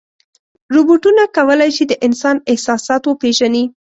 روبوټونه کولی شي د انسان احساسات وپېژني.